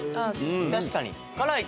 確かに。